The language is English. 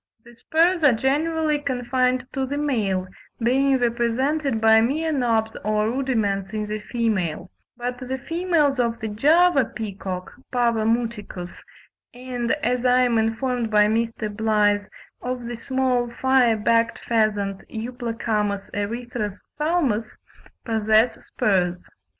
The spurs are generally confined to the male, being represented by mere knobs or rudiments in the female; but the females of the Java peacock (Pavo muticus) and, as I am informed by Mr. Blyth, of the small fire backed pheasant (Euplocamus erythrophthalmus) possess spurs.